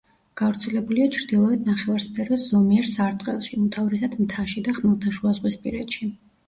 გავრცელებულია ჩრდილოეთ ნახევარსფეროს ზომიერ სარტყელში, უმთავრესად მთაში და ხმელთაშუაზღვისპირეთში.